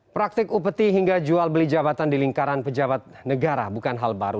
praktik upeti hingga jual beli jabatan di lingkaran pejabat negara bukan hal baru